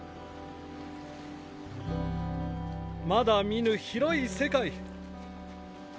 まだ見ぬ広い世界。